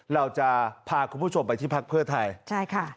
เราจะพาคุณผู้ชมไปที่พักเพื่อไทยใช่ค่ะ